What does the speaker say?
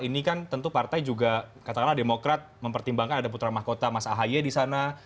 ini kan tentu partai juga katakanlah demokrat mempertimbangkan ada putra mahkota mas ahy di sana